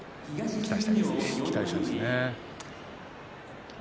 期待したいですね。